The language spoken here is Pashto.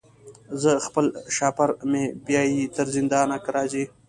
زما خپل شهپر مي بیايي تر زندانه که راځې